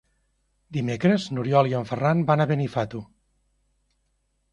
Dimecres n'Oriol i en Ferran van a Benifato.